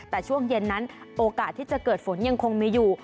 แต่ช่วงเย็นนั้นโอกาสที่จะเกิดฝนยังคงมีอยู่